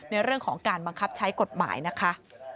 ในเรื่องของการบังคับใช้กฎหมายนะคะ